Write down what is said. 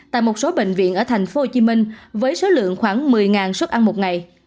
tại một số bệnh viện ở thành phố hồ chí minh với số lượng khoảng một mươi xuất ăn một ngày